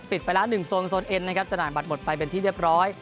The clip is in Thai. ปิดไปแล้ว๑โซนโซนเอ็นนะครับจำหน่ายบัตรหมดไปเป็นที่เรียบร้อย